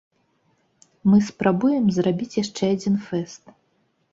Мы спрабуем зрабіць яшчэ адзін фэст.